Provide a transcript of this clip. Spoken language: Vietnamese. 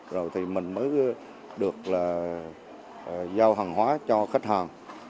rồi thì mình mới được là giao hàng hóa cho khách hàng